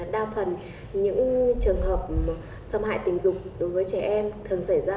đa phần những trường hợp xâm hại tình dục đối với trẻ em thường xảy ra